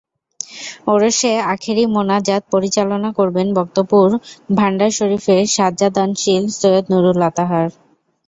ওরসে আখেরি মোনাজাত পরিচালনা করবেন বক্তপুর ভান্ডার শরিফের সাজ্জাদানশীন সৈয়দ নুরুল আতাহার।